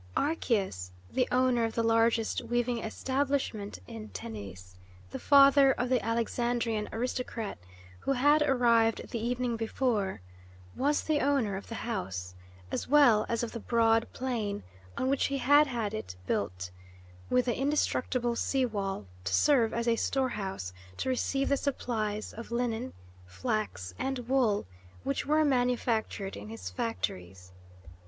Archias, the owner of the largest weaving establishment in Tennis, the father of the Alexandrian aristocrat who had arrived the evening before, was the owner of the house, as well as of the broad plain on which he had had it built, with the indestructible sea wall, to serve as a storehouse to receive the supplies of linen, flax, and wool which were manufactured in his factories.